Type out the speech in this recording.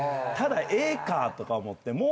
ただ絵かとか思って。